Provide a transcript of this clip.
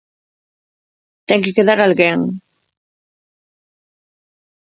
_Ten que quedar alguén;